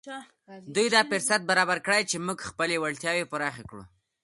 دوی دا فرصت برابر کړی چې موږ خپلې وړتياوې پراخې کړو.